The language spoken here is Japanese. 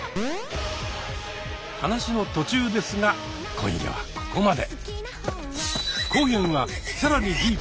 話の途中ですが今夜はここまで。